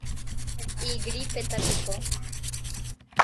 igrípetapiko